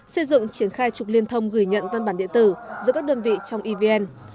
xây dựng triển khai trục liên thông gửi nhận tân bản điện tử giữa các đơn vị trong evn